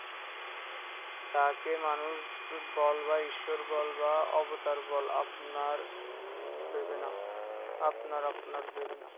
তাঁকে মানুষ বল বা ঈশ্বর বল বা অবতার বল, আপনার আপনার ভাবে নাও।